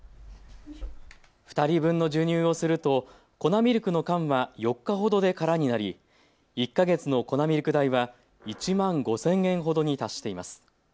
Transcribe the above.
２人分の授乳をすると粉ミルクの缶は４日ほどで空になり１か月の粉ミルク代は１万５０００円ほどに達しています。